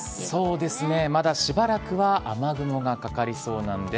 そうですね、まだしばらくは雨雲がかかりそうなんです。